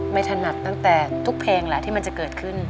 ถนัดตั้งแต่ทุกเพลงแหละที่มันจะเกิดขึ้น